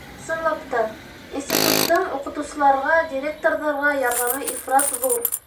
— Ысынлап та, институттың уҡытыусыларға, директорҙарға ярҙамы ифрат ҙур.